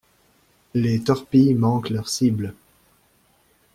Les torpilles manquent leurs cibles.